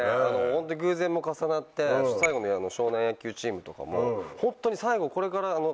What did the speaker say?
ホントに偶然も重なって最後の少年野球チームとかもホントに最後。